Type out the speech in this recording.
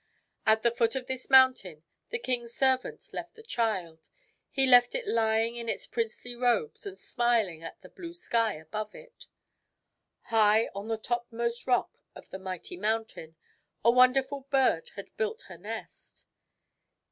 At the foot of this mountain the king's servant left the child. He left it lying in its princely robes and smiling at the blue sky above it. THE WHITE HEADED ZAL 219 High, on the topmost rock of the mighty moun tain a wonderful bird had built her nest.